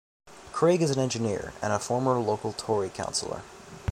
Craig is an engineer and a former local Tory councillor.